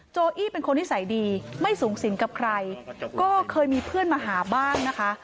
โอี้เป็นคนนิสัยดีไม่สูงสิงกับใครก็เคยมีเพื่อนมาหาบ้างนะคะ